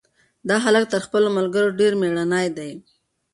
دا هلک تر خپلو ملګرو ډېر مېړنی دی.